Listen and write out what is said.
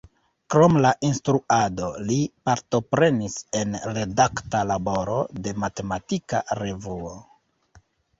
Krom la instruado li partoprenis en redakta laboro de matematika revuo.